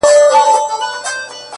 کله شات کله شکري پيدا کيږي!!